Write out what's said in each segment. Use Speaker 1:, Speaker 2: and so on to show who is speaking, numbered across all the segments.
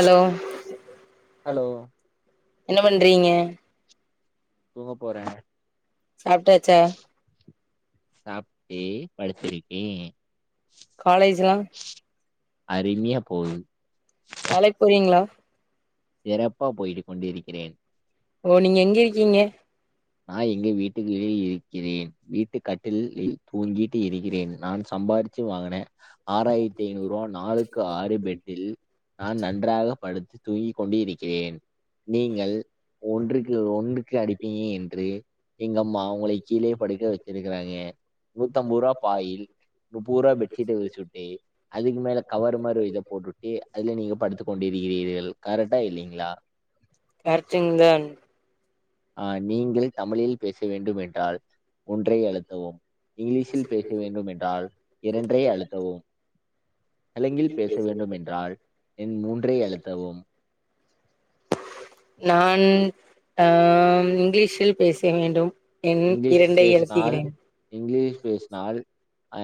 Speaker 1: allow
Speaker 2: hello
Speaker 1: hello என்ன பண்றீங்க
Speaker 2: தூங்கப்போற
Speaker 1: சாப்ட்டாச்சா
Speaker 2: சாப்ட்டு படுத்திருக்கே
Speaker 1: காலேஜ்ஜலா
Speaker 2: அருமியா போது
Speaker 1: வேலைக்கு போறீங்ளா
Speaker 2: சிறப்பா போயிட்டு கொண்டிருக்கிறேன்
Speaker 1: ஓ நீங்க எங்க இருக்கீங்க
Speaker 2: நா எங்க வீட்டுக்கு வெளியில் இருக்கிறேன் வீட்டுக் கட்டிலில்லில் தூங்கிட்டு இருக்கிறேன் நான் சம்பாரி ச்சி வாங்குன ஆறாயிரத்தி ஐநூறு ரூபா நாலுளுக்கு ஆறு பெட்டில் நான் நன்றாக படுத்து தூங்கி கொண்டு இருக்கிறேன் நீங்கள் ஒன்றுக்கு ஒன்னுக்கு அடிப்பியி எங்கம்மா அவங்களை கீழே படுக்க வெச்சிருக்கிறாங்க நூத்தம்பதுரூபா பாயில் நுப்பது ரூபா பெட்ஷீட்ட விரிச்சிவிட்டு அதுக்கு மேல கவர் மாரி இத போட்டுட்டு அதுல நீங்க படுத்து கொண்டு இருக்கீர்கள் கரெக்டா இல்லைங்ளா
Speaker 1: கர்ட்டுங் தான்
Speaker 2: ஆ நீங்களு தமிழில் பேச வேண்டும் என்றால் ஒன்றை அழுத்தவு இங்கிலீஷில் பேச வேண்டும் என்றால் இரன்றை அழுத்தவும் தெலுங்கில் பேச வேண்டும் என்றால் எண்மூன்றை அழுத்தவும்
Speaker 1: நான் ஆம் இங்கிலீஷில் பேச வேண்டும் எண் இரண்டை அழுத்துகிறேன்
Speaker 2: இங்க்லீஷ் பேஸ்னால் ஆ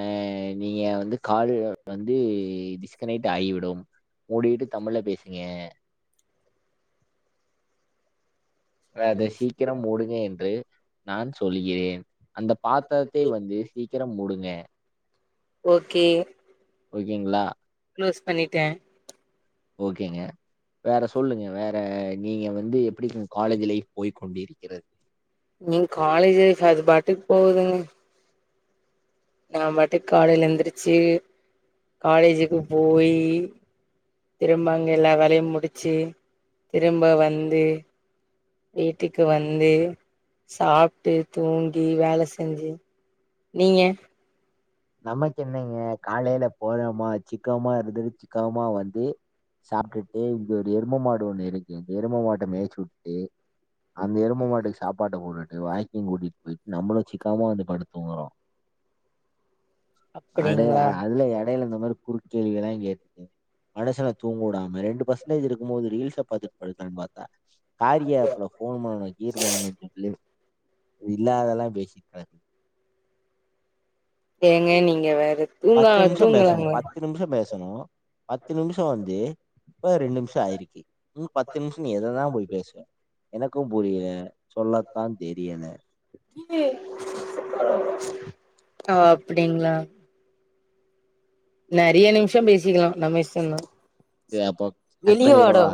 Speaker 2: நீங்க வந்து கால் வந்து டிஸ்கனெக்ட் ஆகிவிடும் மூடிட்டு தமிழ்ல பேசுங்க அத சீக்கிரம் மூடுங்க என்று நான் சொல்லிகிறேன் அந்த பாத்தரத்தை வந்து சீக்கிர மூடுங்க
Speaker 1: ஓகே
Speaker 2: ஓகேங்ளா
Speaker 1: க்ளோஸ் பண்ணிட்ட
Speaker 2: ஓகேங்க வேற சொல்லுங்க வேற ப்ப நீங்க வந்து எப்டிங் உங் காலேஜ் லைஃப் போய் கொண்டிருக்கிறது
Speaker 1: எங் காலேஜ் லைஃப் அது பாட்டுக்கு போகுதுங்க நா பாட்டுக்கு காலையில எந்திரிச்சி காலேஜிக்கு போயி திரும்ப அங்க எல்லா வேலையு முடிச்சி திரும்ப வந்து வீட்டுக்கு வந்து சாப்ட்டு தூங்கி வேல செஞ்சி நீங்க
Speaker 2: நமக்கென்னங்க காலைல போனமா சிக்காமாருந்து சிக்காமா வந்து சாப்டுட்டு இங்க ஒரு எருமமாடு ஒண்ணு இருக்கு எருமமாட்ட மேய்ச்சு வுட்டு அந்த எரும மாட்டுக்கு சாப்பாட்ட போட்டுட்டு வாக்கிங் கூட்டிட் போயிட்டு நம்புளும் சிக்காமா வந்து படுத்தூங்குறோ அடே
Speaker 1: அப்டிங்களா
Speaker 2: அதுல எடையில இந்தமேர் குறுக்கேள்விகளா கேட் மனுசன தூங்க உடாம ரெண்டு பர்சன்டேஜ் இருக்கும்போது ரீல்ஸ பாத்துட் படுக்கலான் பாத்தா காரியா ஆப்ல ஃபோன் பண்ணு கீர் பண்ணுஞ்சொல்லி இல்லாததெல்லா பேசிட் கெடக்கு
Speaker 1: ஏங்க நீங்க வேற தூங்கா
Speaker 2: பத்து நிமிஷம்
Speaker 1: தூங்களாங்க
Speaker 2: பேசணும் பத்து நிமிஷ பேசணு பத்து நிமிஷ வந்து இப்பதா ரெண்டு நிமிஷ ஆயிருக்கு இன்னு பத்து நிமிஷம் நீ எததா போய் பேசுவ எனக்கு புரியல சொல்லத்தா தெரியல
Speaker 1: இது அ அப்டிங்ளா நெறைய நிம்ஷ பேசிக்ளா நம்ம
Speaker 2: சரி அப்போ கட்
Speaker 1: இஷ்டந்தா
Speaker 2: பண்ணிடவா